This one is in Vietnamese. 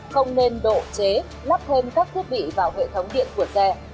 không nên độ chế lắp thêm các thiết bị vào hệ thống điện của xe